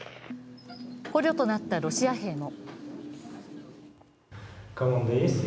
捕虜となったロシア兵も。